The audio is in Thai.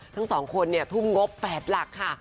ทั้งสองคนนี้ทุ่มงบ๘หลัก